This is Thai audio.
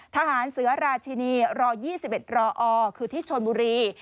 ทหารเสือราชินีร๒๑รอคือที่ชนบุรี